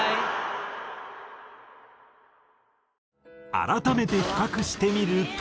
改めて比較してみると。